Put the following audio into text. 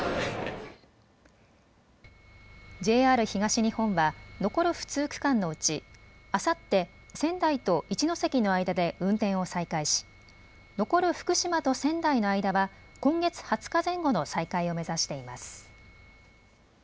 ＪＲ東日本は残る不通区間のうちあさって仙台と一ノ関の間で運転を再開し残る福島と仙台の間は今月２０日前後の再開を目指しています。